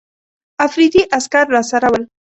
افریدي عسکر راسره ول.